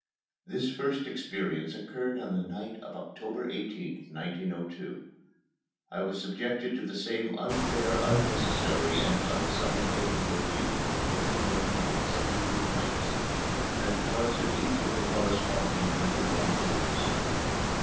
This first experience occurred on the night of October 18th, 1902. I was subjected to the same unfair, unnecessary, and unscientific ordeal for twenty one consecutive nights and parts of each of the corresponding twenty one days.